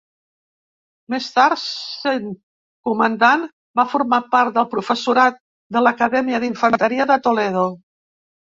Més tard, sent comandant, va formar part del professorat de l'Acadèmia d'Infanteria de Toledo.